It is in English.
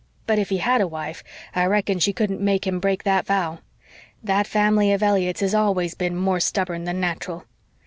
But if he had a wife I reckon she couldn't make him break that vow. That family of Elliotts has always been more stubborn than natteral.